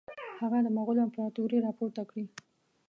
هغه د مغولو امپراطوري را پورته کړي.